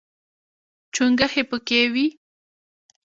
چونګښې پکې وي.